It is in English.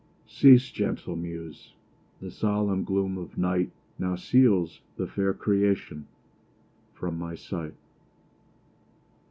Cease, gentle muse! the solemn gloom of night Now seals the fair creation from my sight.